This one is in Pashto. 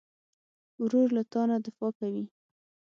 ورور له تا نه دفاع کوي.